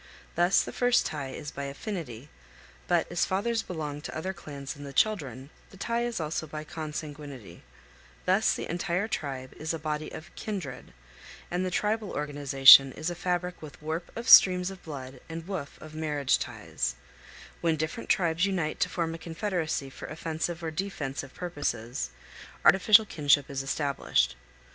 Thus the first tie is by affinity; but, as fathers belong to other clans than the children, the tie is also by consanguinity. Thus the entire tribe is a body of kindred, and the tribal organization is a fabric with warp of streams of blood and powell canyons 226.jpg DANCER HOLDING UP THE GREAT PLUMED ARROW. TO ZUÑI. 359 woof of marriage ties. When different tribes unite to form a confederacy for offensive or defensive purposes, artificial kinship is established.